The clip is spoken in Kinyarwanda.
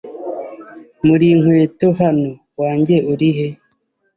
Muri inkweto hano. Wanjye uri he?